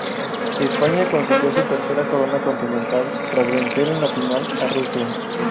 España consiguió su tercera corona continental tras vencer en la final a Rusia.